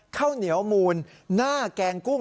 ข้าวเหนียวมูลหน้าแกงกุ้ง